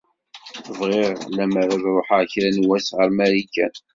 Bɣiɣ lemmer ad ruḥeɣ kra n wass ɣer Marikan.